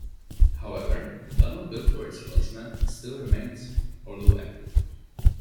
However, the tunnel built for its placement still remains, although empty.